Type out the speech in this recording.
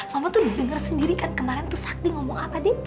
mama tuh dengar sendiri kan kemarin tuh sakti ngomong apa deh